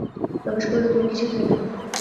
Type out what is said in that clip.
রমেশ কহিল, তুমি কিসে খাইবে?